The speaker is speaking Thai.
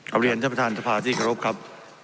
เอาเรียนท่านประธานสภาที่เคารพครับ